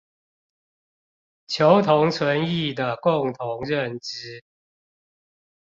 求同存異的共同認知